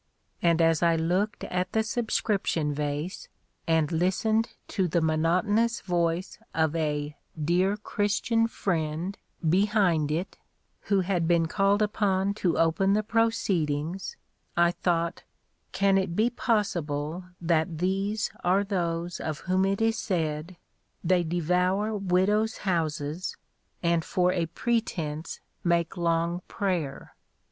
And as I looked at the subscription vase, and listened to the monotonous voice of a "dear Christian friend" behind it, who had been called upon to open the proceedings, I thought, Can it be possible that these are those of whom it is said, "they devour widows' houses, and for a pretence make long prayer"?